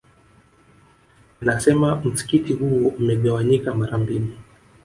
Anasema msikiti huo umegawanyika mara mbili